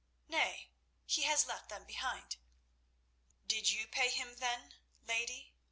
"Nay, he has left them behind." "Did you pay him, then, lady?"